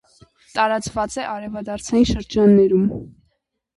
Տարածված է արևադարձային շրջաններում։